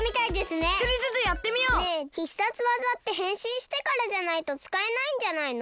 ねえ必殺技ってへんしんしてからじゃないとつかえないんじゃないの？